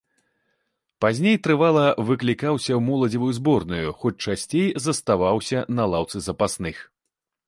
Пазней трывала выклікаўся ў моладзевую зборную, хоць часцей заставаўся на лаўцы запасных.